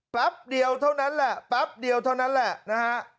แป๊บเดียวเท่านั้นแหละแป๊บเดียวเท่านั้นแหละนะฮะ